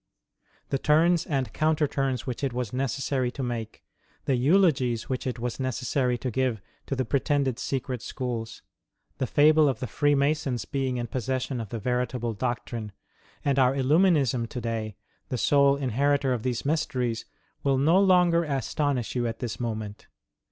" The turns and counter turns which it was necessary to make ; the eulogies which it was necessary to give to the pretended secret schools ; the fable of the Freemasons being in possession of the veritable doctrine ; and our Illuminism to day, the sole inheritor of these mysteries, will no longer astonish you at this moment.